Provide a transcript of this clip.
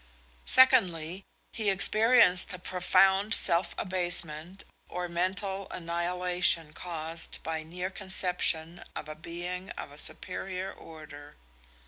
Secondly, he experienced the profound self abasement or mental annihilation caused by the near conception of a being of a superior order.